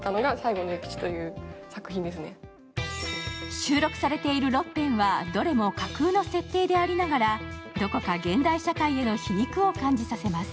収録されている６編はどれも架空の設定でありながらどこか現代社会への皮肉を感じさせます。